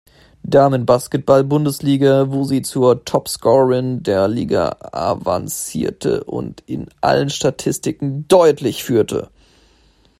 Damen-Basketball-Bundesliga, wo sie zur Top-Scorerin der Liga avancierte und in allen Statistiken deutlich führte.